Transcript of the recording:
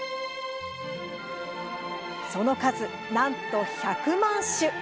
その数、なんと１００万種。